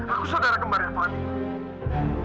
aku saudara kemarin fadil